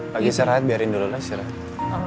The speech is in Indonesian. lagi siar siar biarin dulu lah siar siar